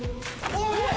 おい！